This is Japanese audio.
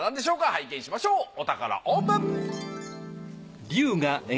拝見しましょうお宝オープン！